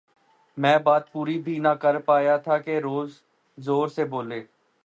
میں بات پوری بھی نہ کرپا یا تھا کہ زور سے بولے